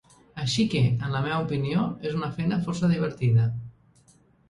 Així que, en la meva opinió, és una feina força divertida.